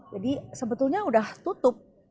jadi sebetulnya sudah tutup